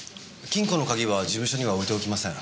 金庫の鍵は事務所には置いておきません。